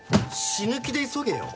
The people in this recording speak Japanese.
死ぬ気で急げよ。